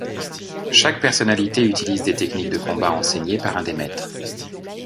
Chaque personnalité utilise des techniques de combats enseignées par un des maîtres.